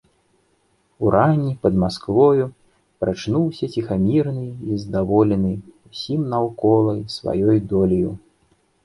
Уранні, пад Масквою, прачнуўся ціхамірны і здаволены ўсім наўкола і сваёй доляю.